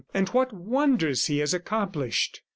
... And what wonders he has accomplished!"